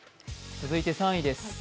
続いて３位です。